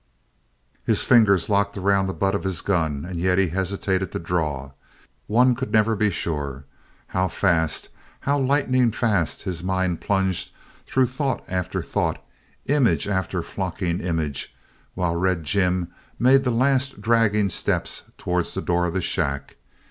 His fingers locked around the butt of his gun and yet he hesitated to draw. One could never be sure. How fast, how lightning fast his mind plunged through thought after thought, image after flocking image, while Red Jim made the last dragging steps towards the door of the shack!